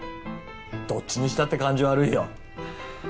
どっちにしたって感じ悪いよ。